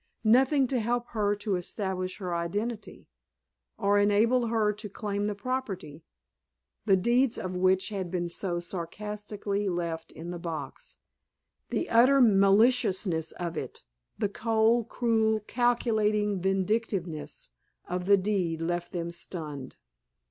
Nothing to help her to establish her identity, or enable her to claim the property, the deeds of which had been so sardonically left in the box. The utter maliciousness of it, the cold, cruel, calculating vindictiveness of the deed left them stunned.